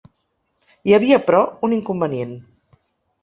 Hi havia, però, un inconvenient.